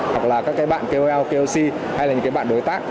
hoặc là các cái bạn kol klc hay là những cái bạn đối tác